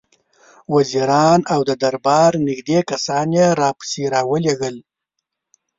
وزیران او د دربار نېږدې کسان یې راپسې را ولېږل.